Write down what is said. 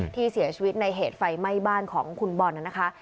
ที่เสียชีวิตในเหตุไฟไหม้บ้านของคุณบอลน่ะนะคะ